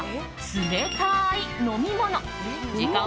冷たい飲み物